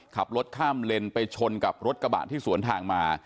ขับรถข้ามเลนไปชนกับรถกระบะที่สวนทางมา